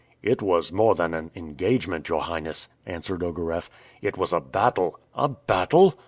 "It was more than an engagement, your Highness," answered Ogareff; "it was a battle." "A battle?"